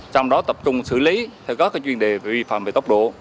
trong đó tập trung xử lý theo các chuyên đề vi phạm về tốc độ